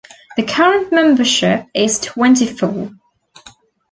The current membership is twenty-four.